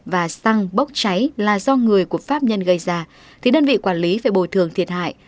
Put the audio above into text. và xăng bốc cháy là do người của pháp nhân gây ra thì đơn vị quản lý phải bồi thường thiệt hại